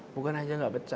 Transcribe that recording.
bukan saja nggak pecah